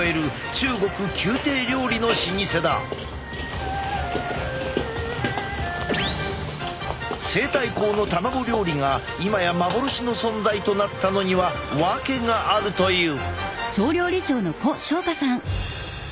こちら西太后の卵料理が今や幻の存在となったのには訳があるという。